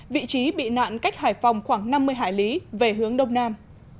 vị trí bị nạn cách hải phòng khoảng năm mươi hải lý về hướng đông nam